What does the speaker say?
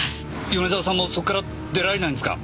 米沢さんもそこから出られないんですか？